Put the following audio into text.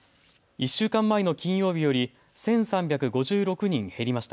１週間前の金曜日より１３５６人減りました。